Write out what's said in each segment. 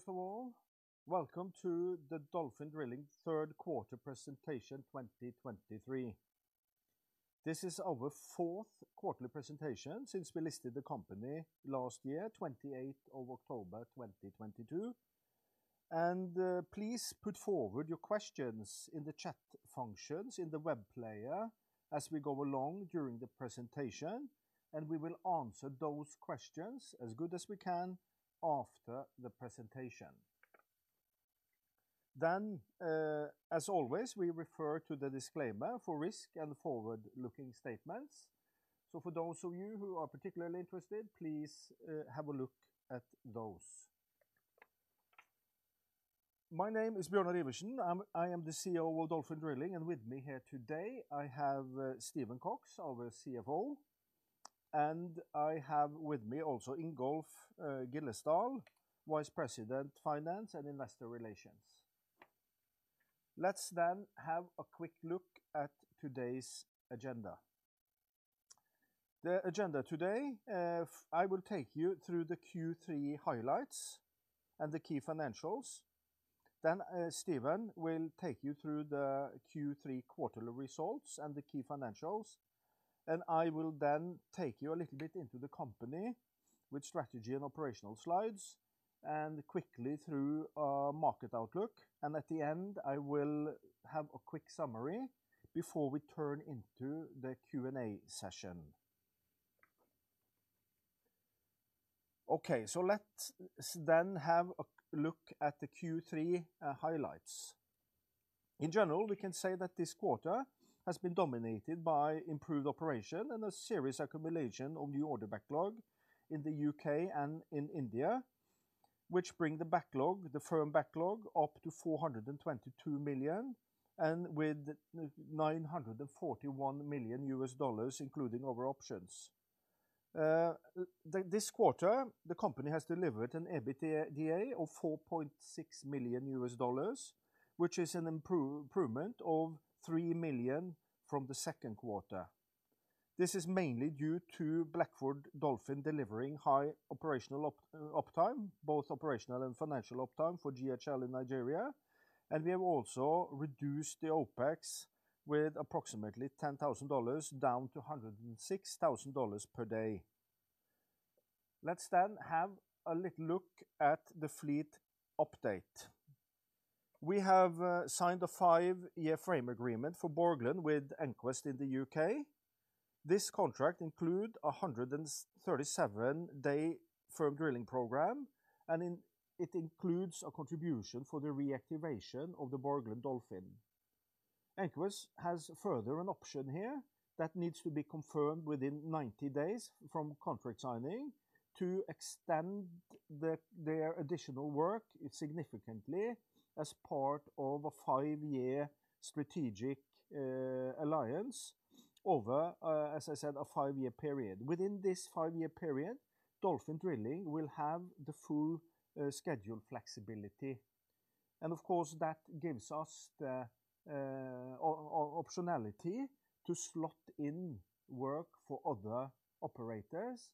First of all, welcome to the Dolphin Drilling third quarter presentation, 2023. This is our fourth quarterly presentation since we listed the company last year, 28 October 2022. Please put forward your questions in the chat functions in the web player as we go along during the presentation, and we will answer those questions as good as we can after the presentation. As always, we refer to the disclaimer for risk and forward-looking statements. For those of you who are particularly interested, please have a look at those. My name is Bjørnar Iversen. I'm the CEO of Dolphin Drilling, and with me here today, I have Stephen Cox, our CFO, and I have with me also Ingolf Gillesdal, Vice President, Finance and Investor Relations. Let's then have a quick look at today's agenda. The agenda today, I will take you through the Q3 highlights and the key financials. Then, Stephen will take you through the Q3 quarterly results and the key financials. And I will then take you a little bit into the company with strategy and operational slides, and quickly through our market outlook, and at the end, I will have a quick summary before we turn into the Q&A session. Okay, so let's then have a look at the Q3, highlights. In general, we can say that this quarter has been dominated by improved operation and a serious accumulation of new order backlog in the UK and in India, which bring the backlog, the firm backlog, up to $422 million, and with $941 million, including our options. This quarter, the company has delivered an EBITDA of $4.6 million, which is an improvement of $3 million from the second quarter. This is mainly due to Blackford Dolphin delivering high operational uptime, both operational and financial uptime for GHL in Nigeria, and we have also reduced the OpEx with approximately $10,000, down to $106,000 per day. Let's then have a little look at the fleet update. We have signed a five-year frame agreement for Borgland with EnQuest in the U.K. This contract include a 137-day firm drilling program, and it includes a contribution for the reactivation of the Borgland Dolphin. EnQuest has further an option here that needs to be confirmed within 90 days from contract signing to extend the, their additional work significantly as part of a five-year strategic alliance over, as I said, a five-year period. Within this five-year period, Dolphin Drilling will have the full schedule flexibility. And of course, that gives us the optionality to slot in work for other operators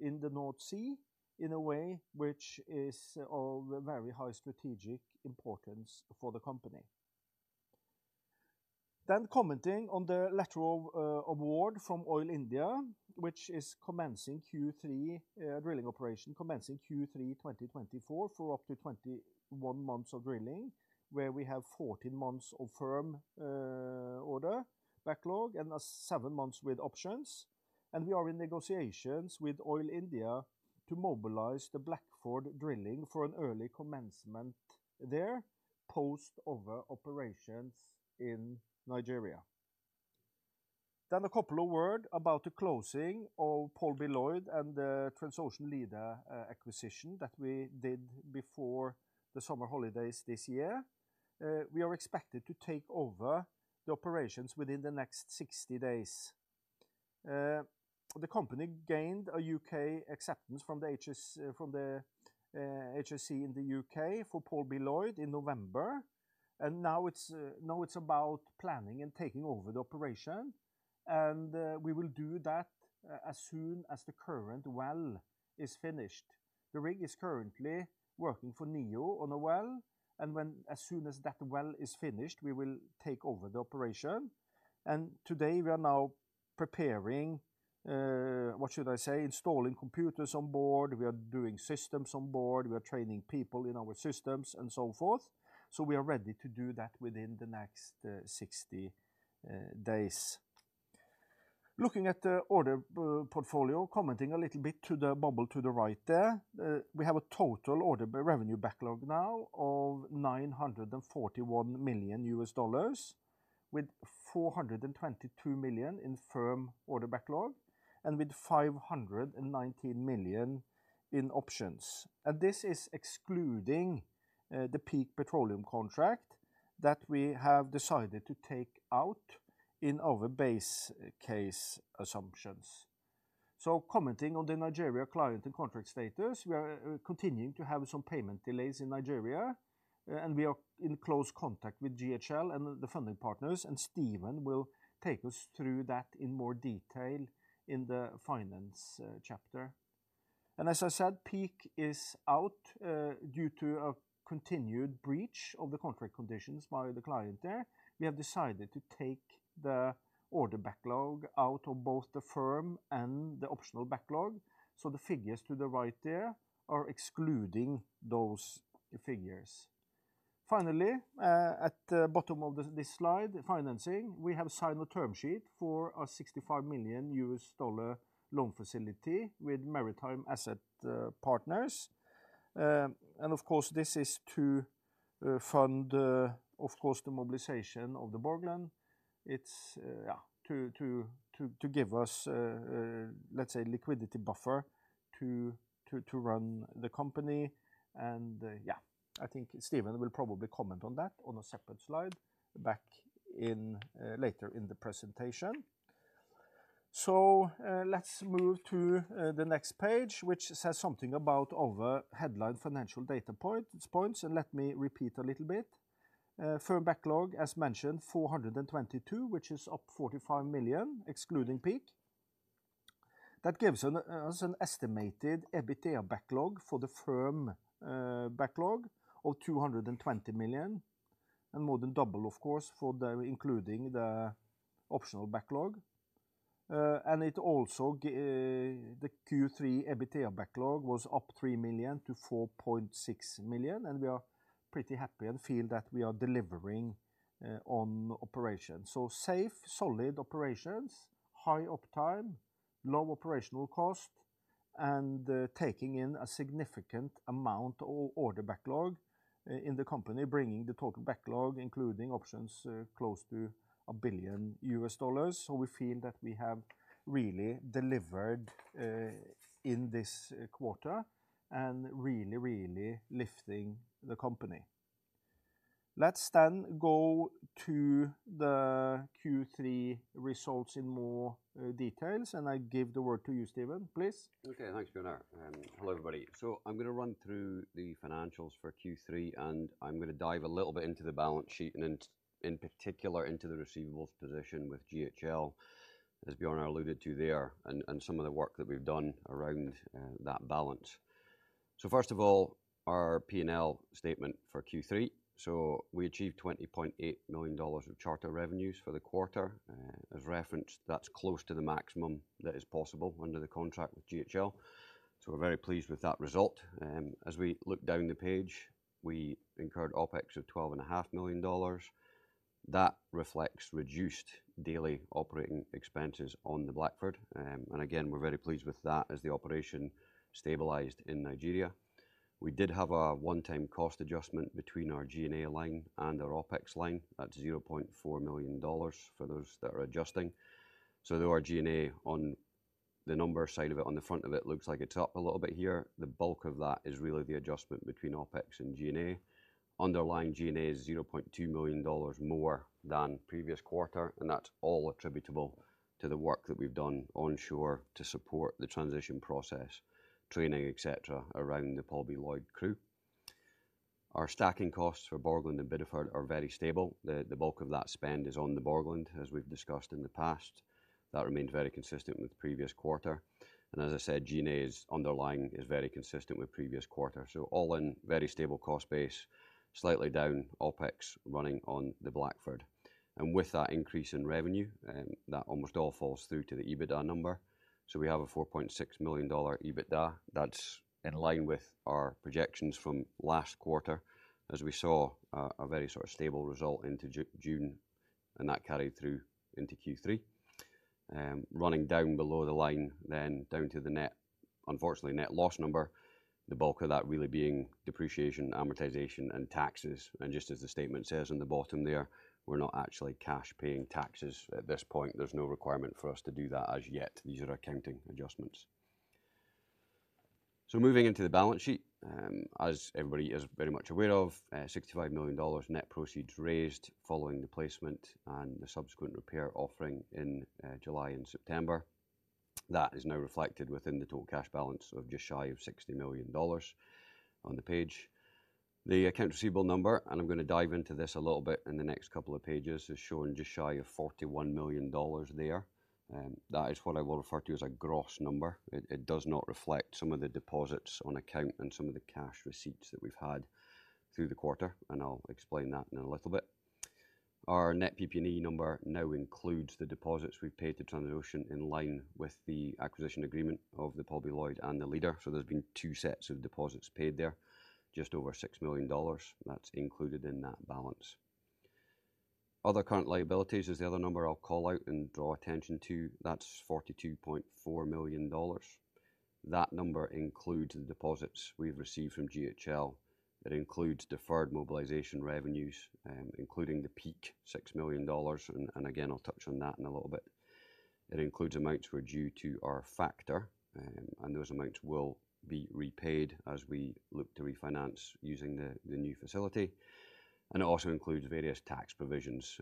in the North Sea in a way which is of very high strategic importance for the company. Then commenting on the Letter of award from Oil India, which is commencing Q3 drilling operation, commencing Q3 2024 for up to 21 months of drilling, where we have 14 months of firm order backlog and 7 months with options. We are in negotiations with Oil India to mobilize the Blackford Dolphin for an early commencement there, post over operations in Nigeria. Then a couple of words about the closing of Paul B. Loyd Jr. and the Transocean Leader acquisition that we did before the summer holidays this year. We are expected to take over the operations within the next 60 days. The company gained a U.K. acceptance from the HSE in the U.K. for Paul B. Loyd Jr. in November, and now it's about planning and taking over the operation, and we will do that as soon as the current well is finished. The rig is currently working for Neo on a well, and as soon as that well is finished, we will take over the operation. Today, we are now preparing, what should I say? Installing computers on board, we are doing systems on board, we are training people in our systems, and so forth. So we are ready to do that within the next 60 days. Looking at the order portfolio, commenting a little bit to the bubble to the right there. We have a total order by revenue backlog now of $941 million, with $422 million in firm order backlog, and with $519 million in options. And this is excluding the Peak Petroleum contract that we have decided to take out in our base case assumptions. So commenting on the Nigeria client and contract status, we are continuing to have some payment delays in Nigeria. And we are in close contact with GHL and the funding partners, and Stephen will take us through that in more detail in the finance chapter. And as I said, Peak is out, due to a continued breach of the contract conditions by the client there. We have decided to take the order backlog out of both the firm and the optional backlog, so the figures to the right there are excluding those figures. Finally, at the bottom of this slide, financing, we have signed a term sheet for a $65 million loan facility with Maritime Asset Partners. And of course, this is to fund of course the mobilization of the Borgland. It's yeah to give us let's say liquidity buffer to run the company. Yeah, I think Stephen will probably comment on that on a separate slide back in later in the presentation. So, let's move to the next page, which says something about our headline financial data point, points, and let me repeat a little bit. Firm backlog, as mentioned, $422 million, which is up $45 million, excluding Peak. That gives us an estimated EBITDA backlog for the firm backlog of $220 million, and more than double, of course, for including the optional backlog. And it also the Q3 EBITDA backlog was up $3 million to $4.6 million, and we are pretty happy and feel that we are delivering on operations. So safe, solid operations, high uptime, low operational cost, and taking in a significant amount of order backlog in the company, bringing the total backlog, including options, close to $1 billion. So we feel that we have really delivered in this quarter and really, really lifting the company. Let's then go to the Q3 results in more details, and I give the word to you, Stephen, please. Okay, thanks, Bjørnar. Hello, everybody. So I'm gonna run through the financials for Q3, and I'm gonna dive a little bit into the balance sheet and in particular into the receivables position with GHL, as Bjørnar alluded to there, and some of the work that we've done around that balance. So first of all, our P&L statement for Q3. So we achieved $20.8 million of charter revenues for the quarter. As referenced, that's close to the maximum that is possible under the contract with GHL, so we're very pleased with that result. As we look down the page, we incurred OpEx of $12.5 million. That reflects reduced daily operating expenses on the Blackford. And again, we're very pleased with that as the operation stabilized in Nigeria. We did have a one-time cost adjustment between our G&A line and our OpEx line at $0.4 million for those that are adjusting. So though our G&A on the number side of it, on the front of it, looks like it's up a little bit here, the bulk of that is really the adjustment between OpEx and G&A. Underlying G&A is $0.2 million more than previous quarter, and that's all attributable to the work that we've done onshore to support the transition process, training, et cetera, around the Paul B. Loyd Jr. crew. Our stacking costs for Borgland and Bideford are very stable. The bulk of that spend is on the Borgland, as we've discussed in the past. That remained very consistent with the previous quarter, and as I said, G&A's underlying is very consistent with previous quarter. So all in, very stable cost base, slightly down OpEx, running on the Blackford. And with that increase in revenue, that almost all falls through to the EBITDA number. So we have a $4.6 million EBITDA. That's in line with our projections from last quarter, as we saw a very sort of stable result into June, and that carried through into Q3. Running down below the line, then down to the net unfortunately, net loss number, the bulk of that really being depreciation, amortization, and taxes, and just as the statement says on the bottom there, we're not actually cash paying taxes at this point. There's no requirement for us to do that as yet. These are accounting adjustments. So moving into the balance sheet, as everybody is very much aware of, $65 million net proceeds raised following the placement and the subsequent repair offering in July and September. That is now reflected within the total cash balance of just shy of $60 million on the page. The account receivable number, and I'm gonna dive into this a little bit in the next couple of pages, is showing just shy of $41 million there. That is what I will refer to as a gross number. It, it does not reflect some of the deposits on account and some of the cash receipts that we've had through the quarter, and I'll explain that in a little bit. Our net PP&E number now includes the deposits we've paid to Transocean in line with the acquisition agreement of the Paul B. Loyd and the Leader. So there's been two sets of deposits paid there, just over $6 million. That's included in that balance. Other current liabilities is the other number I'll call out and draw attention to. That's $42.4 million. That number includes the deposits we've received from GHL. It includes deferred mobilization revenues, including the Peak $6 million, and again, I'll touch on that in a little bit. It includes amounts we're due to our factor, and those amounts will be repaid as we look to refinance using the new facility, and it also includes various tax provisions,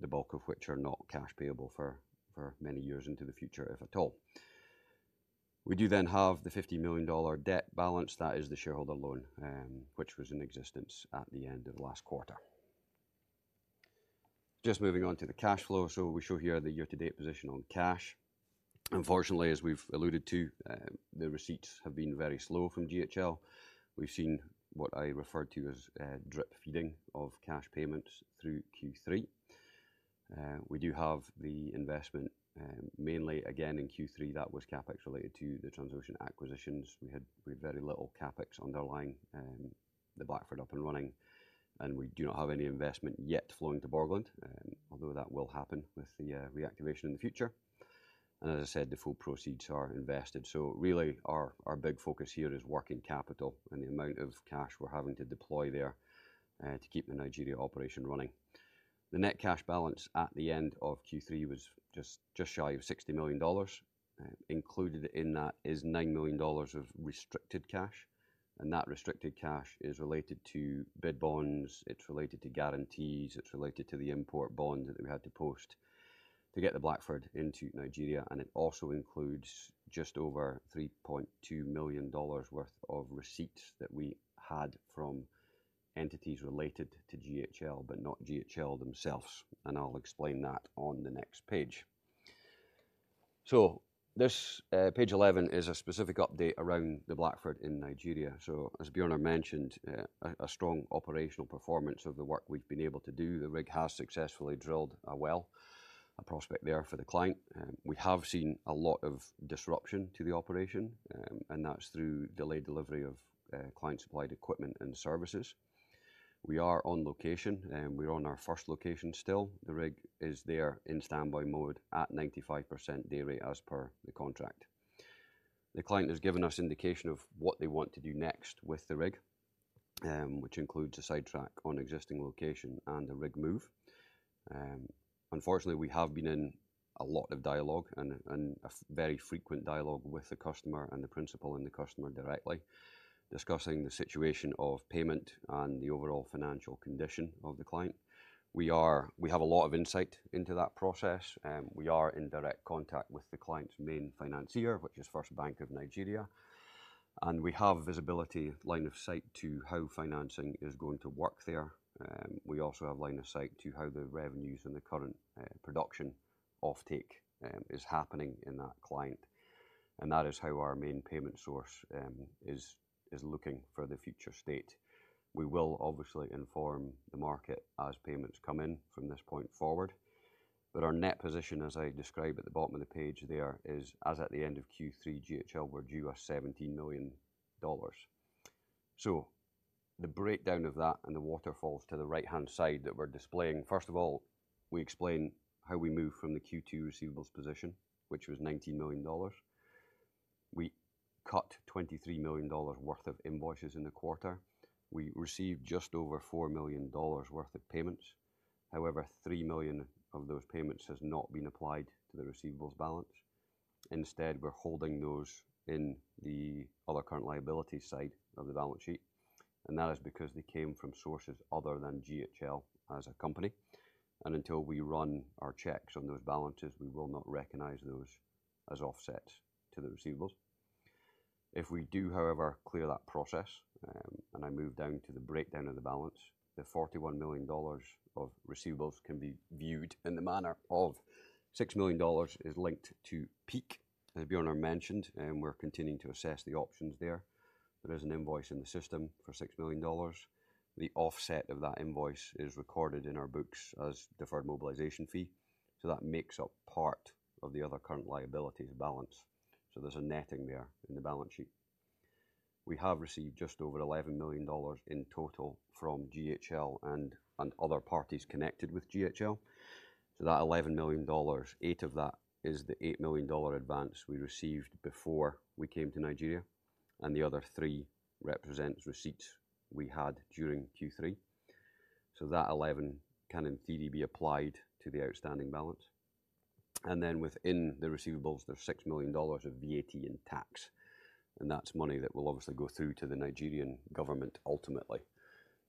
the bulk of which are not cash payable for many years into the future, if at all. We do then have the $50 million debt balance. That is the shareholder loan, which was in existence at the end of last quarter. Just moving on to the cash flow. So we show here the year-to-date position on cash. Unfortunately, as we've alluded to, the receipts have been very slow from GHL. We've seen what I referred to as, drip-feeding of cash payments through Q3. We do have the investment, mainly again in Q3. That was CapEx related to the Transocean acquisitions. We had very little CapEx underlying, the Blackford up and running, and we do not have any investment yet flowing to Borgland, although that will happen with the reactivation in the future. And as I said, the full proceeds are invested. So really, our big focus here is working capital and the amount of cash we're having to deploy there, to keep the Nigeria operation running. The net cash balance at the end of Q3 was just shy of $60 million. Included in that is $9 million of restricted cash, and that restricted cash is related to bid bonds, it's related to guarantees, it's related to the import bond that we had to post to get the Blackford into Nigeria, and it also includes just over $3.2 million worth of receipts that we had from entities related to GHL, but not GHL themselves, and I'll explain that on the next page. So this page 11 is a specific update around the Blackford in Nigeria. So as Bjørnar mentioned, a strong operational performance of the work we've been able to do. The rig has successfully drilled a well, a prospect there for the client. We have seen a lot of disruption to the operation, and that's through delayed delivery of client-supplied equipment and services. We are on location, and we're on our first location still. The rig is there in standby mode at 95% day rate as per the contract. The client has given us indication of what they want to do next with the rig, which includes a sidetrack on existing location and a rig move. Unfortunately, we have been in a lot of dialogue and, and a very frequent dialogue with the customer and the principal and the customer directly, discussing the situation of payment and the overall financial condition of the client. We have a lot of insight into that process, we are in direct contact with the client's main financier, which is First Bank of Nigeria, and we have visibility line of sight to how financing is going to work there. We also have line of sight to how the revenues and the current, production offtake, is happening in that client, and that is how our main payment source, is, is looking for the future state. We will obviously inform the market as payments come in from this point forward. But our net position, as I describe at the bottom of the page there, is, as at the end of Q3, GHL were due us $17 million. So the breakdown of that and the waterfalls to the right-hand side that we're displaying. First of all, we explain how we moved from the Q2 receivables position, which was $19 million. We cut $23 million worth of invoices in the quarter. We received just over $4 million worth of payments. However, $3 million of those payments has not been applied to the receivables balance. Instead, we're holding those in the other current liability side of the balance sheet, and that is because they came from sources other than GHL as a company, and until we run our checks on those balances, we will not recognize those as offsets to the receivables. If we do, however, clear that process, and I move down to the breakdown of the balance, the $41 million of receivables can be viewed in the manner of $6 million is linked to Peak. As Bjørnar mentioned, and we're continuing to assess the options there. There is an invoice in the system for $6 million. The offset of that invoice is recorded in our books as deferred mobilization fee, so that makes up part of the other current liabilities balance. So there's a netting there in the balance sheet. We have received just over $11 million in total from GHL and other parties connected with GHL. So that $11 million, 8 of that is the $8 million advance we received before we came to Nigeria, and the other 3 represents receipts we had during Q3. So that 11 can indeed be applied to the outstanding balance. Then within the receivables, there's $6 million of VAT and tax, and that's money that will obviously go through to the Nigerian government ultimately.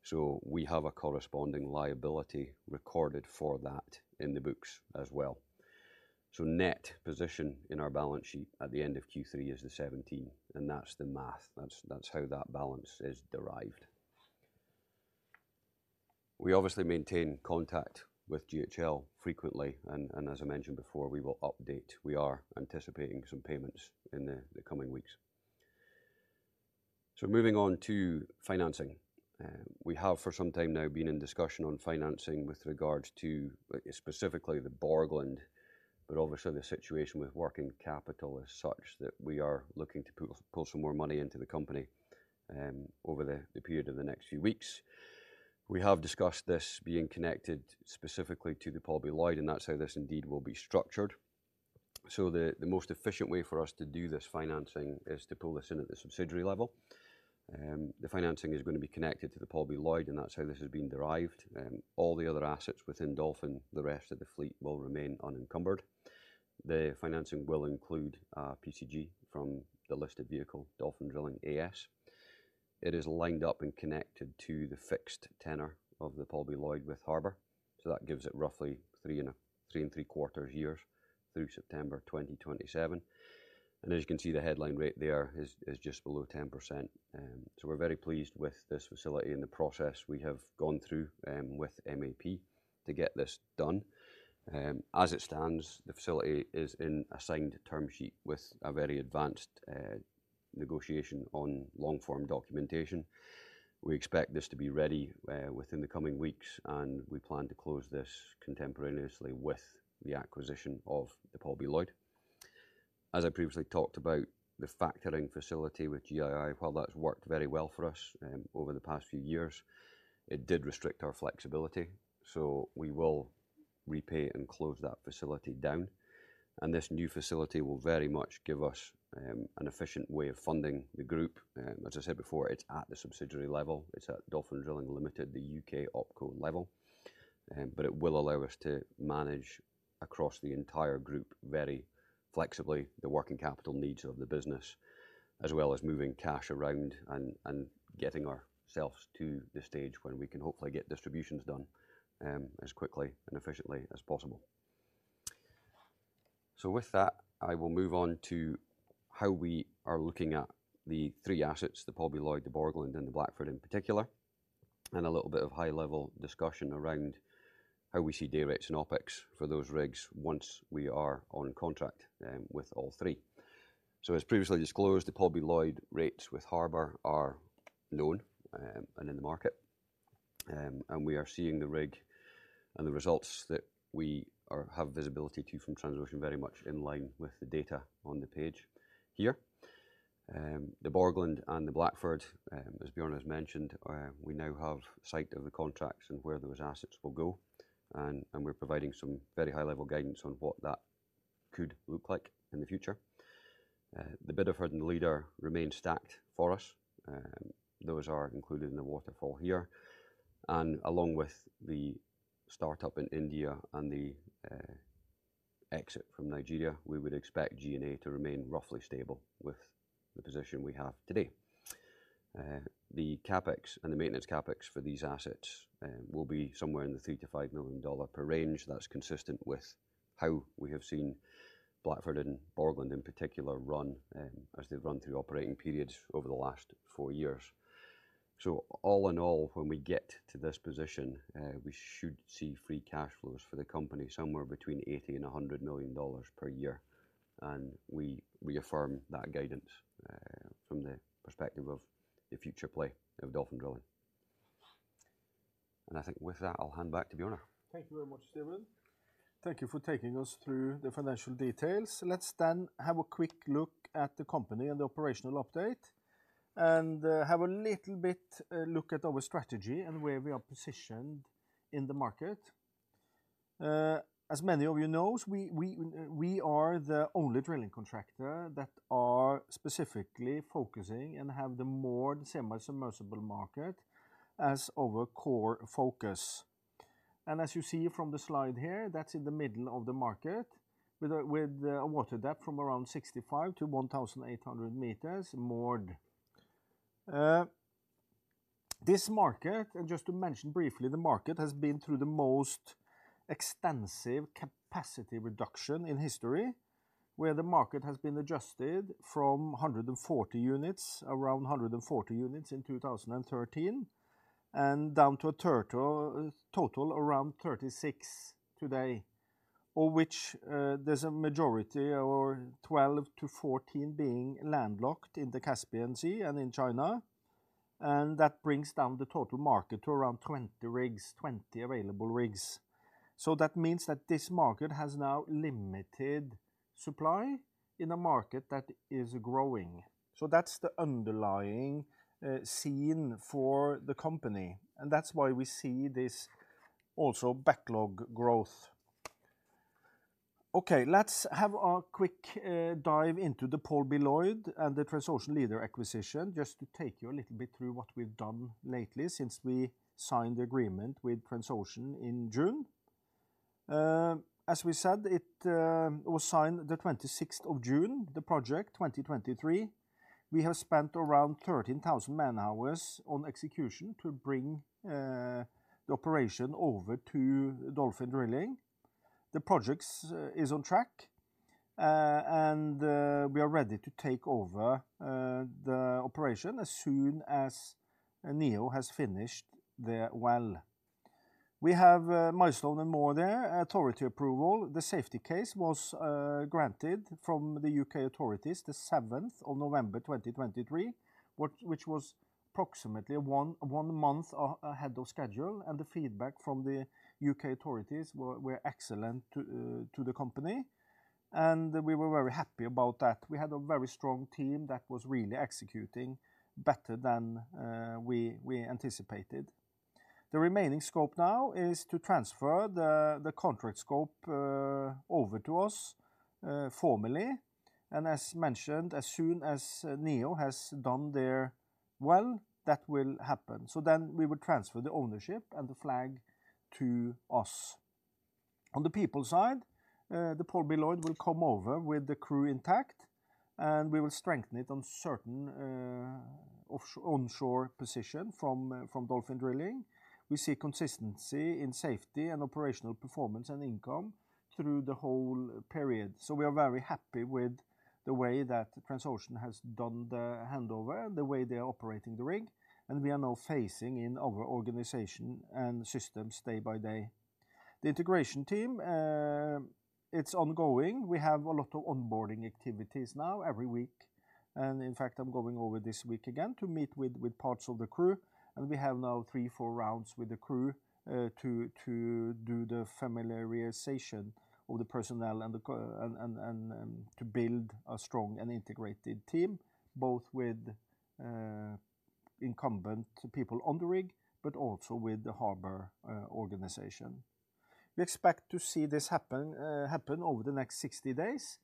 So we have a corresponding liability recorded for that in the books as well. So net position in our balance sheet at the end of Q3 is the 17, and that's the math. That's how that balance is derived. We obviously maintain contact with GHL frequently, and as I mentioned before, we will update. We are anticipating some payments in the coming weeks. So moving on to financing. We have for some time now been in discussion on financing with regards to specifically the Borgland, but obviously the situation with working capital is such that we are looking to pull some more money into the company over the period of the next few weeks. We have discussed this being connected specifically to the Paul B. Loyd, and that's how this indeed will be structured. So the most efficient way for us to do this financing is to pull this in at the subsidiary level. The financing is gonna be connected to the Paul B. Loyd, and that's how this has been derived. All the other assets within Dolphin, the rest of the fleet will remain unencumbered. The financing will include, PCG from the listed vehicle, Dolphin Drilling AS. It is lined up and connected to the fixed tenor of the Paul B. Loyd with Harbour. So that gives it roughly 3.75 years through September 2027. And as you can see, the headline rate there is just below 10%. So we're very pleased with this facility and the process we have gone through, with MAP to get this done. As it stands, the facility is in a signed term sheet with a very advanced negotiation on long-form documentation. We expect this to be ready within the coming weeks, and we plan to close this contemporaneously with the acquisition of the Paul B. Loyd Jr. As I previously talked about, the factoring facility with GHL, while that's worked very well for us over the past few years, it did restrict our flexibility, so we will repay and close that facility down. This new facility will very much give us an efficient way of funding the group. As I said before, it's at the subsidiary level. It's at Dolphin Drilling Limited, the UK OpCo level. But it will allow us to manage across the entire group very flexibly, the working capital needs of the business, as well as moving cash around and getting ourselves to the stage where we can hopefully get distributions done as quickly and efficiently as possible. So with that, I will move on to how we are looking at the three assets: the Paul B. Loyd, the Borgland, and the Blackford in particular, and a little bit of high-level discussion around how we see day rates and OpEx for those rigs once we are on contract with all three. So as previously disclosed, the Paul B. Loyd rates with Harbour are known and in the market. We are seeing the rig and the results that we have visibility to from Transocean very much in line with the data on the page here. The Borgland and the Blackford, as Bjørnar has mentioned, we now have sight of the contracts and where those assets will go. And we're providing some very high-level guidance on what that could look like in the future. The Bideford and the Leader remain stacked for us. Those are included in the waterfall here. Along with the startup in India and the exit from Nigeria, we would expect G&A to remain roughly stable with the position we have today. The CapEx and the maintenance CapEx for these assets will be somewhere in the $3 million-$5 million per range. That's consistent with how we have seen Blackford and Borgland, in particular, run as they've run through operating periods over the last 4 years. All in all, when we get to this position, we should see free cash flows for the company somewhere between $80 million and $100 million per year, and we reaffirm that guidance from the perspective of the future play of Dolphin Drilling. I think with that, I'll hand back to Bjørnar. Thank you very much, Stephen. Thank you for taking us through the financial details. Let's then have a quick look at the company and the operational update, and have a little bit look at our strategy and where we are positioned in the market. As many of you knows, we are the only drilling contractor that are specifically focusing and have the moored semi-submersible market as our core focus. And as you see from the slide here, that's in the middle of the market with a water depth from around 65-,800 m moored. This market, and just to mention briefly, the market has been through the most extensive capacity reduction in history, where the market has been adjusted from 140 units, around 140 units in 2013, and down to a total, total around 36 today. Of which, there's a majority or 12-14 being landlocked in the Caspian Sea and in China, and that brings down the total market to around 20 rigs, 20 available rigs. So that means that this market has now limited supply in a market that is growing. So that's the underlying scene for the company, and that's why we see this also backlog growth. Okay, let's have a quick dive into the Paul B. Jr. and the Transocean Leader acquisition, just to take you a little bit through what we've done lately since we signed the agreement with Transocean in June. As we said, it was signed the twenty-sixth of June, 2023. We have spent around 13,000 man-hours on execution to bring the operation over to Dolphin Drilling. The project is on track, and we are ready to take over the operation as soon as Neo Energy has finished their well. We have a milestone and more there, authority approval. The safety case was granted from the U.K. authorities the seventh of November 2023, which was approximately one month ahead of schedule, and the feedback from the U.K. authorities were excellent to the company, and we were very happy about that. We had a very strong team that was really executing better than we anticipated. The remaining scope now is to transfer the contract scope over to us formally. And as mentioned, as soon as Neo has done their well, that will happen. So then we will transfer the ownership and the flag to us. On the people side, the Paul B. Loyd Jr. will come over with the crew intact, and we will strengthen it on certain onshore position from Dolphin Drilling. We see consistency in safety and operational performance and income through the whole period. So we are very happy with the way that Transocean has done the handover, the way they are operating the rig, and we are now phasing in our organization and systems day by day. The integration team, it's ongoing. We have a lot of onboarding activities now every week, and in fact, I'm going over this week again to meet with parts of the crew. We have now 3-4 rounds with the crew to do the familiarization of the personnel and to build a strong and integrated team, both with incumbent people on the rig, but also with the Harbour organization. We expect to see this happen over the next 60 days.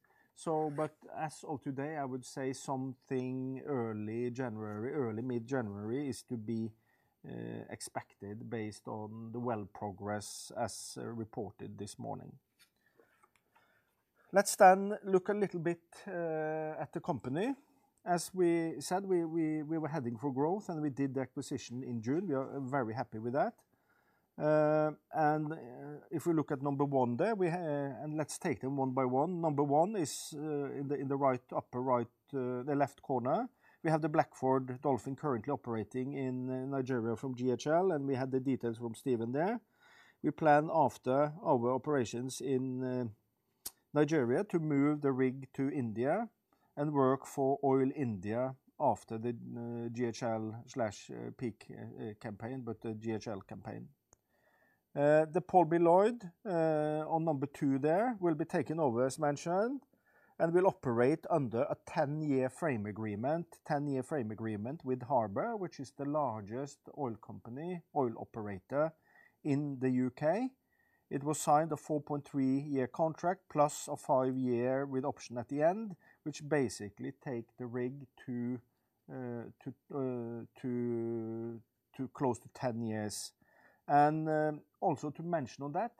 But as of today, I would say something early January, early mid-January, is to be expected based on the well progress as reported this morning. Let's then look a little bit at the company. As we said, we were heading for growth, and we did the acquisition in June. We are very happy with that. If we look at number 1 there, let's take them one by one. Number 1 is in the right, upper right, the left corner. We have the Blackford Dolphin currently operating in Nigeria from GHL, and we had the details from Stephen there. We plan after our operations in Nigeria to move the rig to India and work for Oil India after the GHL/Peak campaign, but the GHL campaign. The Paul B. Loyd Jr., on number 2 there, will be taken over, as mentioned, and will operate under a 10-year frame agreement, 10-year frame agreement with Harbour, which is the largest oil company, oil operator in the U.K. It was signed a 4.3-year contract, plus a 5-year with option at the end, which basically take the rig to close to 10 years. Also to mention on that,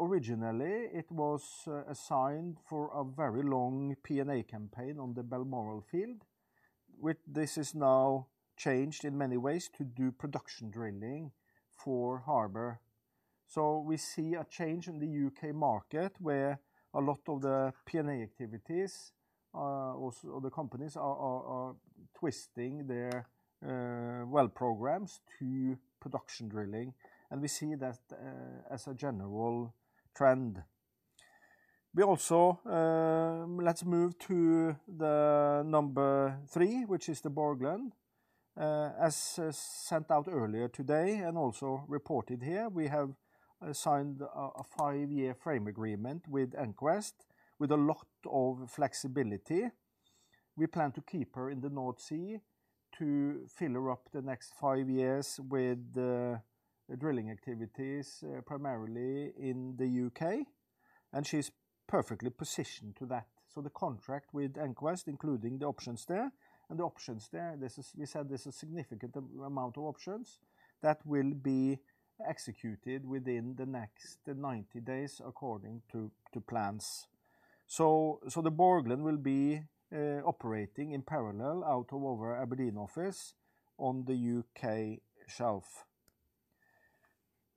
originally, it was assigned for a very long P&A campaign on the Balmoral field. With this is now changed in many ways to do production drilling for Harbour. So we see a change in the U.K. market, where a lot of the P&A activities, also the companies are twisting their well programs to production drilling, and we see that as a general trend. We also... Let's move to the number three, which is the Borgland. As sent out earlier today and also reported here, we have signed a 5-year frame agreement with EnQuest, with a lot of flexibility. We plan to keep her in the North Sea to fill her up the next five years with the drilling activities primarily in the UK, and she's perfectly positioned to that. So the contract with EnQuest, including the options there, and the options there, this is we said this is significant amount of options that will be executed within the next 90 days, according to plans. So the Borgland will be operating in parallel out of our Aberdeen office on the UK shelf.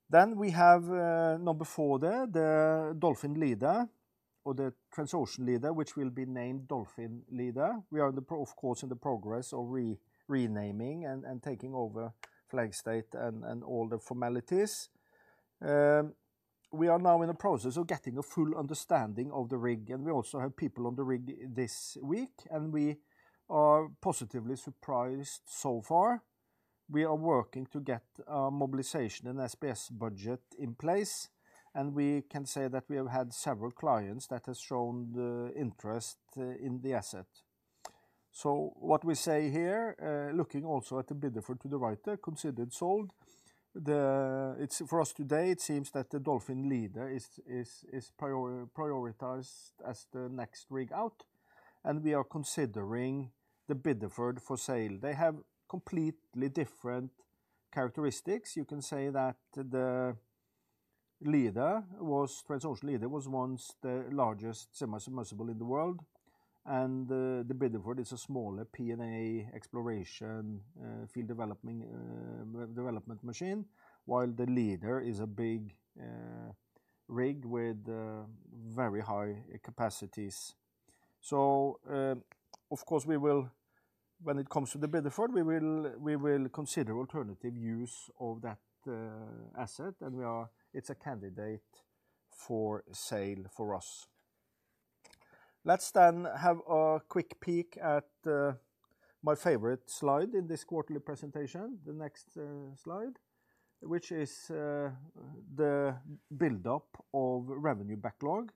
Then we have number 4 there, the Dolphin Leader, or the Transocean Leader, which will be named Dolphin Leader. We are in the process of course, in the progress of renaming and taking over flag state and all the formalities. We are now in the process of getting a full understanding of the rig, and we also have people on the rig this week, and we are positively surprised so far. We are working to get mobilization and SPS budget in place, and we can say that we have had several clients that has shown the interest in the asset. So what we say here, looking also at the Bideford to the right there, considered sold. It's, for us today, it seems that the Dolphin Leader is prioritized as the next rig out, and we are considering the Bideford for sale. They have completely different characteristics. You can say that the Leader was... Transocean Leader was once the largest semi-submersible in the world, and the Bideford is a smaller P&A exploration, field developing, development machine, while the Leader is a big rig with very high capacities. So, of course, we will, when it comes to the Bideford, we will, we will consider alternative use of that asset, and we are, it's a candidate for sale for us. Let's then have a quick peek at my favorite slide in this quarterly presentation, the next slide, which is the build-up of revenue backlog.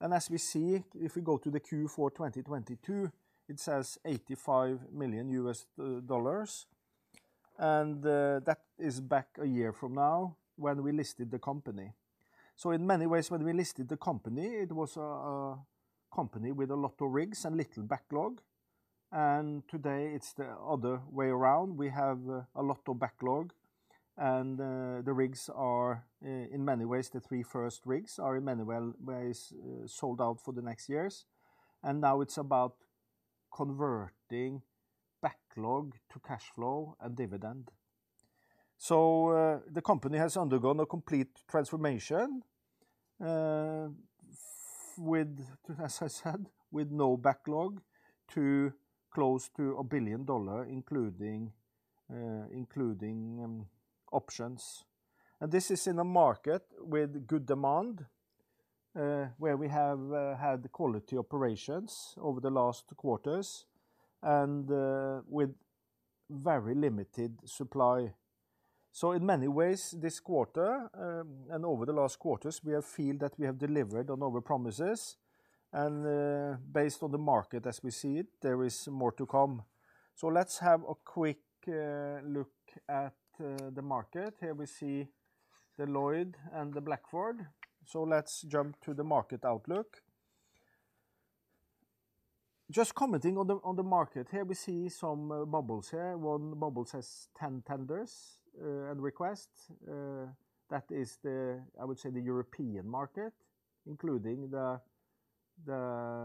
And as we see, if we go to the Q4 2022, it says $85 million, and that is back a year from now, when we listed the company. So in many ways, when we listed the company, it was a company with a lot of rigs and little backlog... and today it's the other way around. We have a lot of backlog, and the rigs are in many ways, the three first rigs are in many well ways sold out for the next years. And now it's about converting backlog to cash flow and dividend. So the company has undergone a complete transformation, with, as I said, with no backlog, to close to $1 billion, including options. And this is in a market with good demand, where we have had quality operations over the last quarters and with very limited supply. So in many ways, this quarter, and over the last quarters, we have feel that we have delivered on our promises, and, based on the market as we see it, there is more to come. So let's have a quick look at the market. Here we see the Loyd and the Blackford. So let's jump to the market outlook. Just commenting on the market, here we see some bubbles here. One bubble says 10 tenders and requests. That is the... I would say, the European market, including the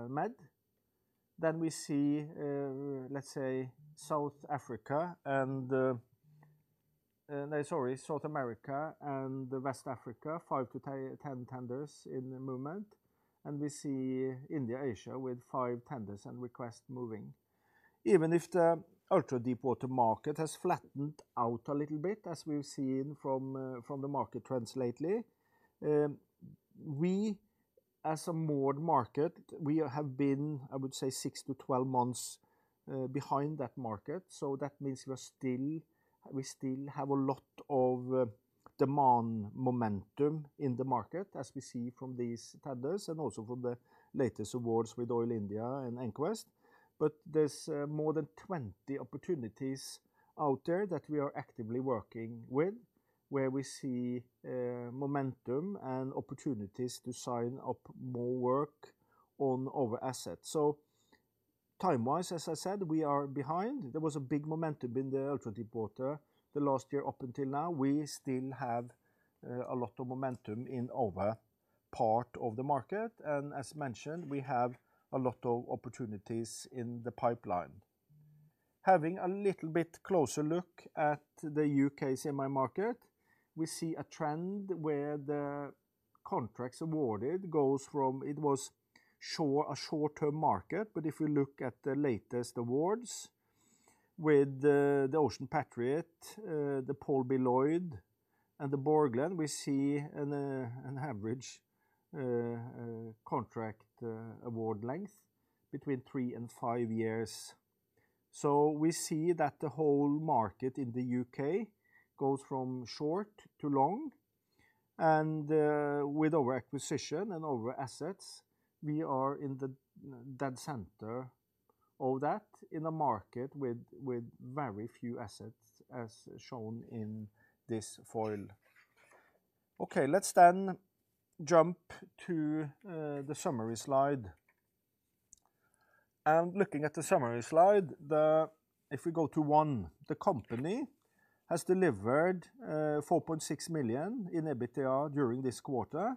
Med. Then we see, let's say, South Africa and, no, sorry, South America and West Africa, 5-10 tenders at the moment. And we see India, Asia, with 5 tenders and requests moving. Even if the ultra-deepwater market has flattened out a little bit, as we've seen from the market trends lately, we as a more market, we have been, I would say, 6-12 months behind that market. So that means we still have a lot of demand momentum in the market, as we see from these tenders and also from the latest awards with Oil India and EnQuest. But there's more than 20 opportunities out there that we are actively working with, where we see momentum and opportunities to sign up more work on our assets. So time-wise, as I said, we are behind. There was a big momentum in the ultra-deepwater the last year up until now. We still have a lot of momentum in our part of the market, and as mentioned, we have a lot of opportunities in the pipeline. Having a little bit closer look at the UK semi market, we see a trend where the contracts awarded goes from... It was short, a short-term market, but if we look at the latest awards with the Ocean Patriot, the Paul B. Loyd, and the Borgland, we see an average contract award length between three and five years. So we see that the whole market in the U.K. goes from short to long, and with our acquisition and our assets, we are in the dead center of that, in a market with very few assets, as shown in this foil. Okay, let's then jump to the summary slide. Looking at the summary slide, if we go to one, the company has delivered $4.6 million in EBITDA during this quarter.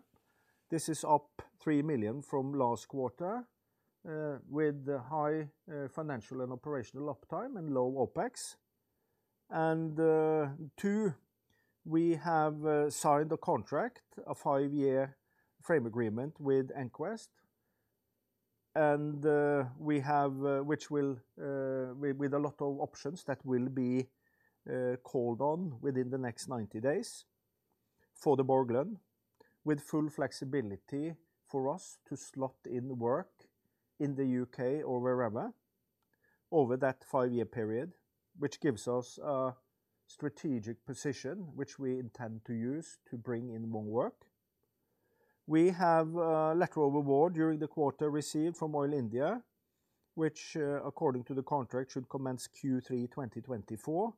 This is up $3 million from last quarter, with high financial and operational uptime and low OpEx. Two, we have signed a contract, a five-year frame agreement with EnQuest, which will, with a lot of options that will be called on within the next 90 days for the Borgland, with full flexibility for us to slot in work in the U.K. or wherever over that five-year period, which gives us a strategic position, which we intend to use to bring in more work. We have letter of award during the quarter received from Oil India, which, according to the contract, should commence Q3 2024,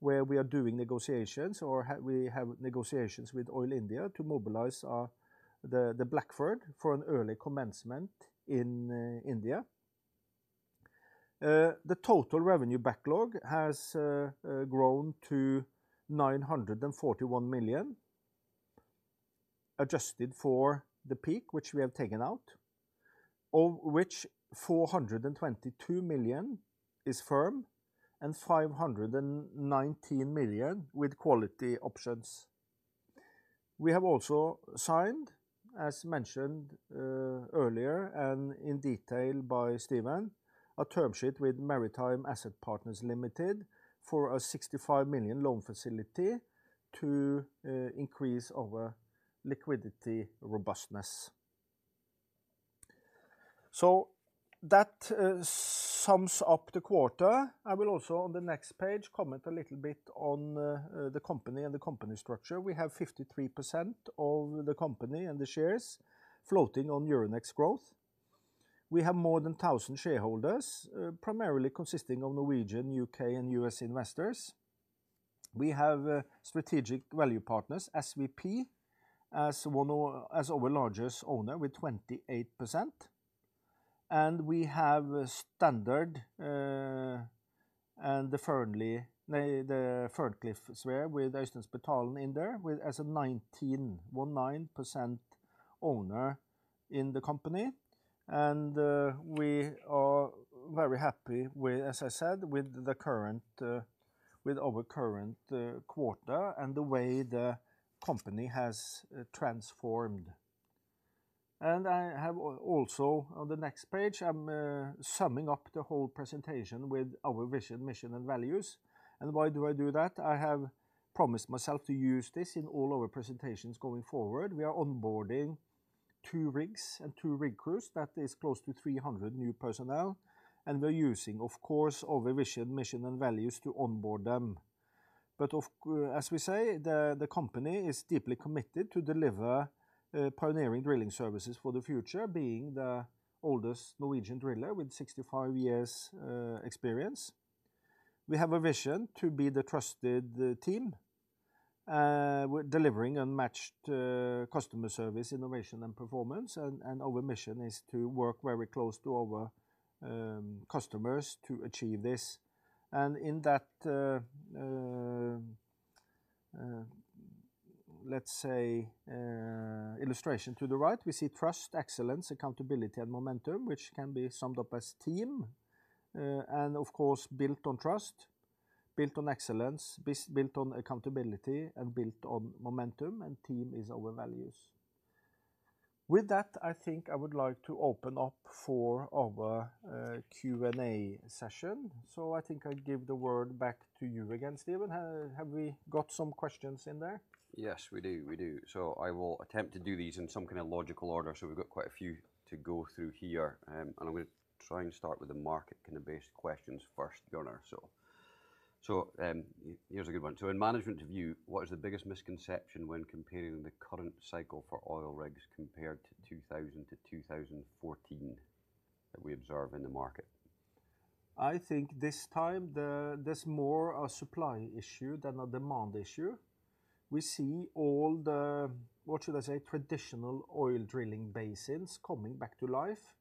where we are doing negotiations, we have negotiations with Oil India to mobilize the Blackford for an early commencement in India. The total revenue backlog has grown to $941 million, adjusted for the Peak, which we have taken out, of which $422 million is firm and $519 million with quality options. We have also signed, as mentioned, earlier and in detail by Stephen, a term sheet with Maritime Asset Partners Limited for a $65 million loan facility to increase our liquidity robustness. So that sums up the quarter. I will also, on the next page, comment a little bit on the company and the company structure. We have 53% of the company and the shares floating on Euronext Growth. We have more than 1,000 shareholders, primarily consisting of Norwegian, U.K., and U.S. investors. We have Strategic Value Partners, SVP, as one of, as our largest owner with 28%, and we have S.D. Standard and the Third Cliffsville with the Ferncliff as well Øystein Spetalen in there with as a 19% owner in the company. We are very happy with, as I said, with the current, with our current quarter and the way the company has transformed. I have also, on the next page, I'm summing up the whole presentation with our vision, mission, and values. Why do I do that? I have promised myself to use this in all our presentations going forward. We are onboarding 2 rigs and 2 rig crews. That is close to 300 new personnel, and we're using, of course, our vision, mission, and values to onboard them. But of course, as we say, the company is deeply committed to deliver pioneering drilling services for the future, being the oldest Norwegian driller with 65 years experience. We have a vision to be the trusted team with delivering unmatched customer service, innovation, and performance. And our mission is to work very close to our customers to achieve this. And in that, let's say, illustration to the right, we see trust, excellence, accountability, and momentum, which can be summed up as team. And of course, built on trust, built on excellence, built on accountability, and built on momentum, and team is our values. With that, I think I would like to open up for our Q&A session. So I think I'll give the word back to you again, Stephen. Have we got some questions in there? Yes, we do. We do. So I will attempt to do these in some kind of logical order, so we've got quite a few to go through here. And I'm gonna try and start with the market-kind of based questions first, Gunnar. Here's a good one: "So in management view, what is the biggest misconception when comparing the current cycle for oil rigs compared to 2000-2014 that we observe in the market? I think this time, there's more a supply issue than a demand issue. We see all the, what should I say, traditional oil drilling basins coming back to life,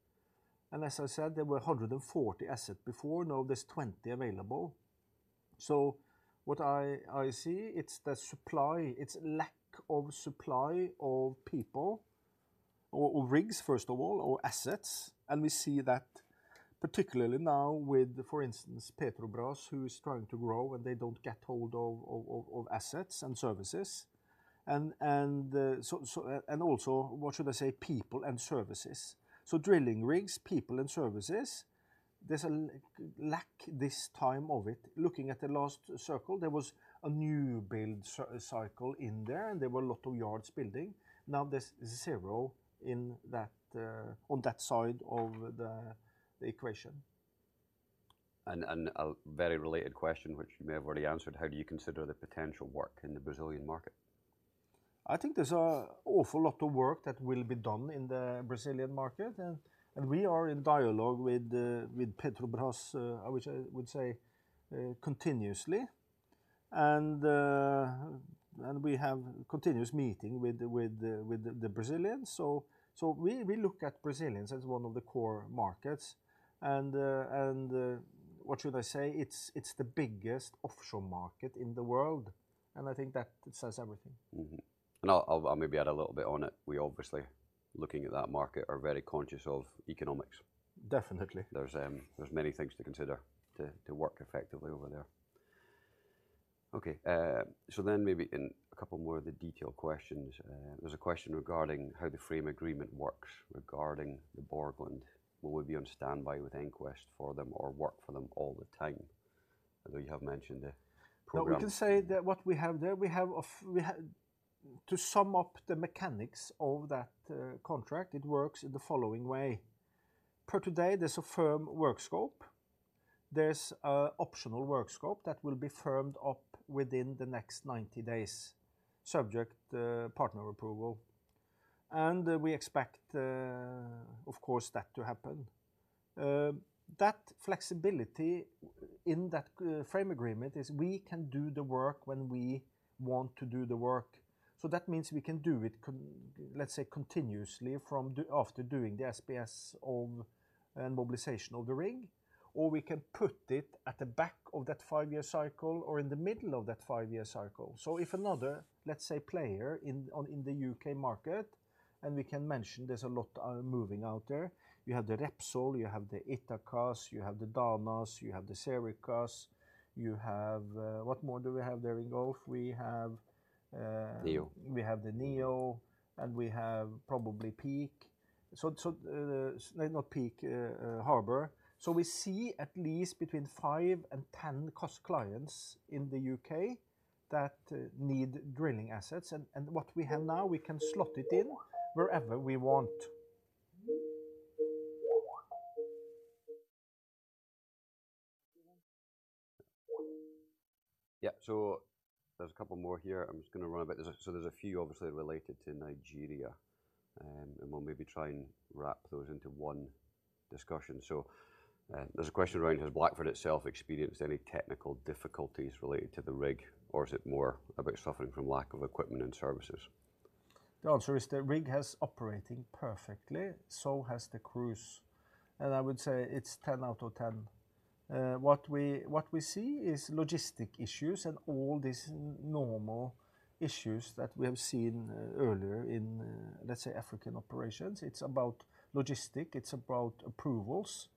and as I said, there were 140 assets before, now there's 20 available. So what I see, it's the supply, it's lack of supply of people or rigs, first of all, or assets, and we see that particularly now with, for instance, Petrobras, who is trying to grow, and they don't get hold of assets and services. And also, what should I say, people and services. So drilling rigs, people and services, there's a lack this time of it. Looking at the last circle, there was a new build cycle in there, and there were a lot of yards building. Now, there's zero in that, on that side of the equation. A very related question, which you may have already answered: "How do you consider the potential work in the Brazilian market? I think there's an awful lot of work that will be done in the Brazilian market, and we are in dialogue with Petrobras continuously. And we have continuous meeting with the Brazilians, so we look at Brazilians as one of the core markets. And what should I say? It's the biggest offshore market in the world, and I think that says everything. Mm-hmm. I'll maybe add a little bit on it. We obviously, looking at that market, are very conscious of economics. Definitely. There's many things to consider to work effectively over there. Okay, so then maybe in a couple more of the detailed questions. There's a question regarding how the frame agreement works regarding the Borgland. "Will we be on standby with EnQuest for them or work for them all the time?" I know you have mentioned the program. Well, we can say that what we have there, we have To sum up the mechanics of that contract, it works in the following way: Per today, there's a firm work scope. There's a optional work scope that will be firmed up within the next 90 days, subject to partner approval, and we expect, of course, that to happen. That flexibility in that frame agreement is we can do the work when we want to do the work. So that means we can do it continuously, let's say, from after doing the SPS of... and mobilization of the rig, or we can put it at the back of that five-year cycle or in the middle of that five-year cycle. So if another, let's say, player in on, in the UK market, and we can mention there's a lot moving out there, you have the Repsol, you have the Ithaca, you have the Dana, you have the Serica, you have... What more do we have there in Gulf? We have, Neo. We have the Neo, and we have probably Peak, no, not Peak, Harbour. So we see at least between 5 and 10 core clients in the U.K. that need drilling assets. And what we have now, we can slot it in wherever we want. Yeah. So there's a couple more here. I'm just gonna run a bit... So there's a few obviously related to Nigeria... and we'll maybe try and wrap those into one discussion. So, there's a question around: Has Blackford itself experienced any technical difficulties related to the rig, or is it more about suffering from lack of equipment and services? The answer is the rig has operating perfectly, so has the crews, and I would say it's 10 out of 10. What we see is logistic issues and all these normal issues that we have seen earlier in, let's say, African operations. It's about logistic, it's about approvals,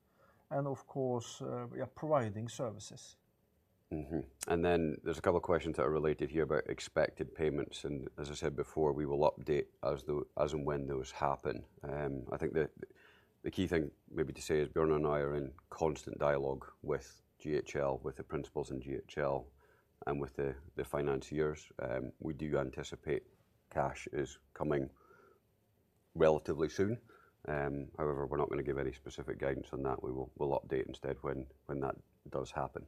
and of course, we are providing services. Mm-hmm. And then there's a couple of questions that are related here about expected payments, and as I said before, we will update as and when those happen. I think the key thing maybe to say is Bjørnar and I are in constant dialogue with GHL, with the principals in GHL and with the financiers. We do anticipate cash is coming relatively soon. However, we're not gonna give any specific guidance on that. We will update instead when that does happen.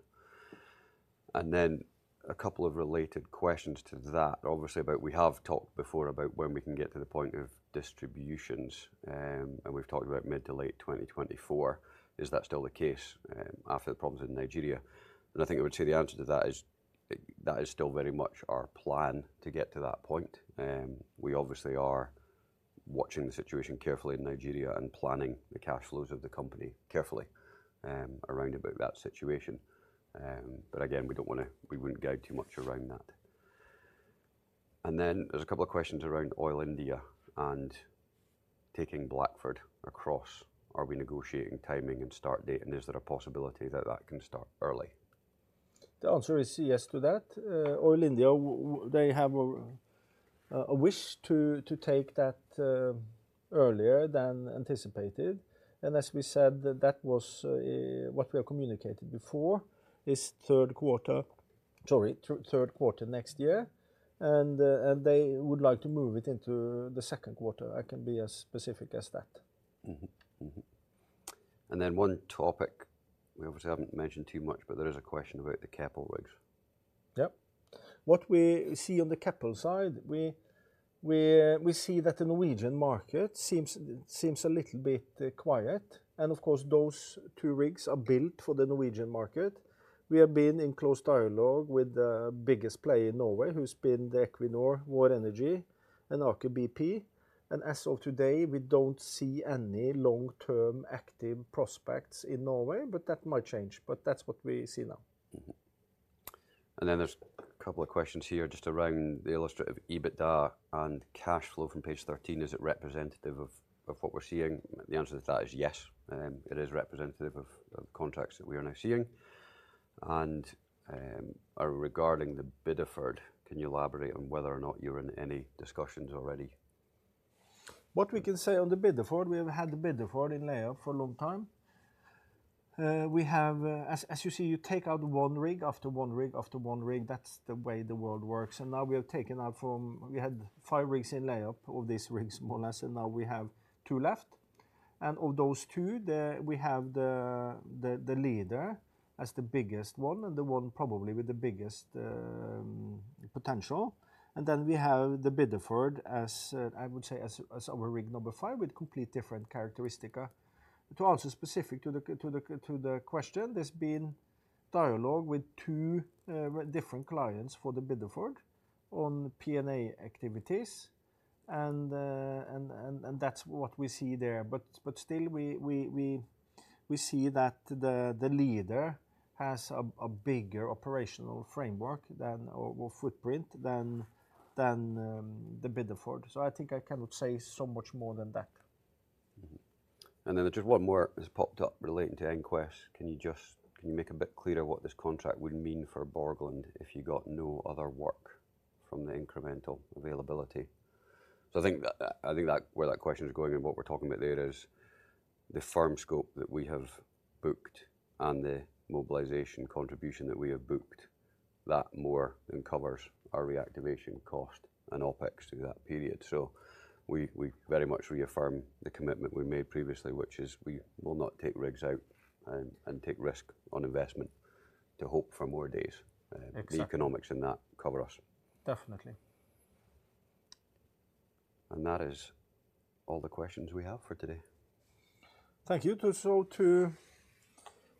And then a couple of related questions to that, obviously, about we have talked before about when we can get to the point of distributions, and we've talked about mid- to late 2024. Is that still the case after the problems in Nigeria? I think I would say the answer to that is, that is still very much our plan to get to that point. We obviously are watching the situation carefully in Nigeria and planning the cash flows of the company carefully, around about that situation. But again, we don't wanna... We wouldn't go too much around that. Then there's a couple of questions around Oil India and taking Blackford across. Are we negotiating timing and start date, and is there a possibility that that can start early? The answer is yes to that. Oil India, they have a wish to take that earlier than anticipated, and as we said, that was what we have communicated before, is third quarter. Sorry, third quarter next year, and they would like to move it into the second quarter. I can be as specific as that. Mm-hmm. Mm-hmm. And then one topic we obviously haven't mentioned too much, but there is a question about the Keppel rigs. Yep. What we see on the Keppel side, we see that the Norwegian market seems a little bit quiet, and of course, those two rigs are built for the Norwegian market. We have been in close dialogue with the biggest player in Norway, who's been the Equinor, Vår Energi, and Aker BP, and as of today, we don't see any long-term active prospects in Norway, but that might change. But that's what we see now. Mm-hmm. And then there's a couple of questions here just around the illustrative EBITDA and cash flow from page 13. Is it representative of, of what we're seeing? The answer to that is yes. It is representative of, of contracts that we are now seeing. And, regarding the Bideford, can you elaborate on whether or not you're in any discussions already? What we can say on the Bideford, we have had the Bideford in layup for a long time. We have, as you see, you take out one rig, after one rig, after one rig. That's the way the world works, and now we have taken out from... We had five rigs in layup, of these rigs, more or less, and now we have two left. Of those two, we have the Leader as the biggest one and the one probably with the biggest potential. Then we have the Bideford, as I would say, as our rig number five, with complete different characteristic. To answer specific to the question, there's been dialogue with two different clients for the Bideford on P&A activities, and that's what we see there. But still we see that the Leader has a bigger operational framework than, or footprint, than the Bideford. So I think I cannot say so much more than that. Mm-hmm. Then just one more has popped up relating to EnQuest. Can you make a bit clearer what this contract would mean for Borgland if you got no other work from the incremental availability? So I think that where that question is going and what we're talking about there is the firm scope that we have booked and the mobilization contribution that we have booked, that more than covers our reactivation cost and OpEx through that period. So we very much reaffirm the commitment we made previously, which is we will not take rigs out and take risk on investment to hope for more days. Exactly. - The economics in that cover us. Definitely. That is all the questions we have for today. Thank you.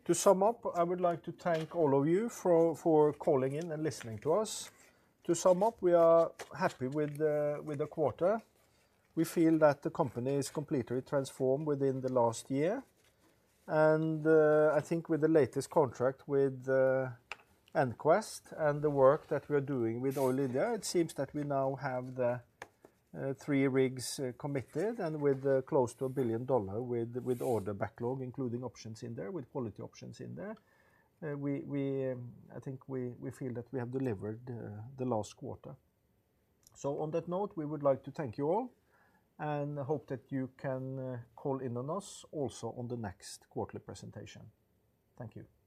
To sum up, I would like to thank all of you for calling in and listening to us. To sum up, we are happy with the quarter. We feel that the company is completely transformed within the last year, and I think with the latest contract with EnQuest and the work that we're doing with Oil India, it seems that we now have the three rigs committed and with close to a $1 billion order backlog, including options in there, with quality options in there. I think we feel that we have delivered the last quarter. So on that note, we would like to thank you all, and I hope that you can call in on us also on the next quarterly presentation. Thank you.